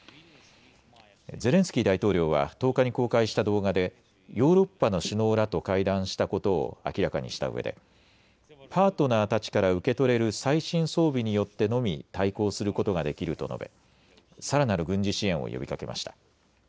ゼレンスキー大統領は１０日に公開した動画でヨーロッパの首脳らと会談したことを明らかにしたうえで、パートナーたちから受け取れる最新装備によってのみ対抗することができると述べさらなる軍事支援を呼びかけました。